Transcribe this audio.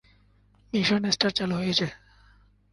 Mission star চালু হয়েছে।